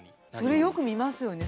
それよく見ますよね